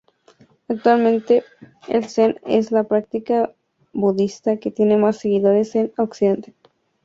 Actualmente, el zen es la práctica budista que tiene más seguidores en Occidente.